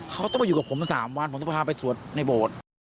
เขาต้องไปอยู่กับผม๓วันผมต้องพาไปสวดในโบสถ์